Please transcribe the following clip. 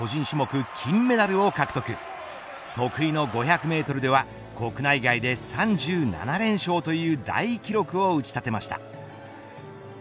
得意の５００メートルでは国内外で３７連勝という大記録を打ち立てました。